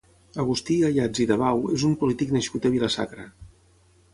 Agustí Ayats i Dabau és un polític nascut a Vila-sacra.